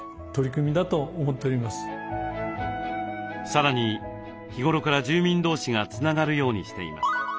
さらに日頃から住民同士がつながるようにしています。